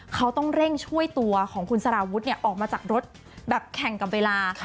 เขาต้องเร่งช่วยตัวของคุณสารวุฒิออกมาจากรถแบบแข่งกับเวลา